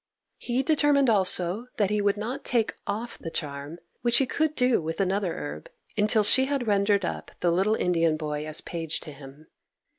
He determined also that he would not take off the charm (which he could do with another herb) until she had rendered up the little Indian boy as page to him.